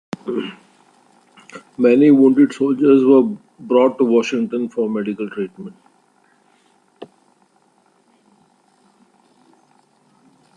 Many wounded soldiers were brought to Washington for medical treatment.